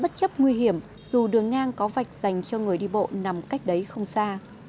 bất chấp nguy hiểm dù đường ngang có vạch dành cho người đi bộ nằm cách đấy không xa